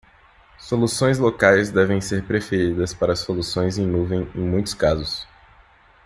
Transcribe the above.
Soluções locais devem ser preferidas para soluções em nuvem em muitos casos.